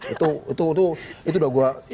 itu itu itu itu udah gue adekan